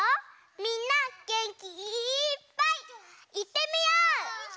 みんなげんきいっぱいいってみよう！